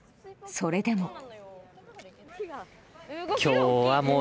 それでも。